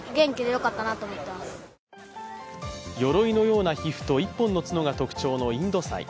よろいのような皮膚と１本の角が特徴のインドサイ。